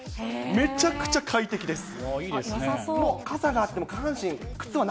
めちゃくちゃ快適です。